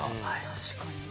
確かに。